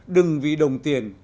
đừng vì đồng tiền